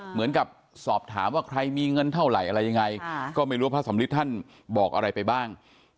เหมือนกับสอบถามว่าใครมีเงินเท่าไหร่อะไรยังไงก็ไม่รู้ว่าพระสำริทท่านบอกอะไรไปบ้าง